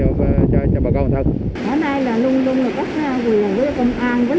hôm nay là luôn luôn là các phóng viên với công an với các bà con thanh niên ở đây là rất là vượt tình